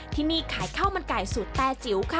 ที่นี่ขายข้าวมันไก่สูตรแต่